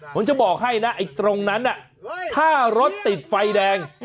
ผมจะบอกให้นะไอ้ตรงนั้นถ้ารถติดไฟแดง